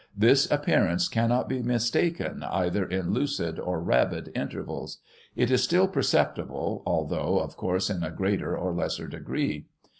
This appearance cannot be mistaken either in lucid or rabid intervals; it is still perceptible, although, of course, in a greater or lesser degree.